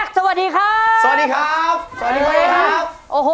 สวัสดีครับ